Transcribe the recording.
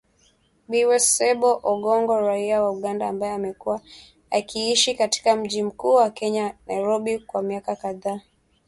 Bw Ssebbo Ogongo, raia wa Uganda, ambaye amekuwa akiishi katika mji mkuu wa Kenya, Nairobi, kwa miaka kadhaa